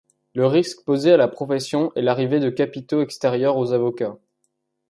Le risque posé à la profession est l'arrivée de capitaux extérieurs aux avocats.